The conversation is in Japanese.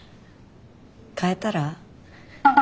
変えたら？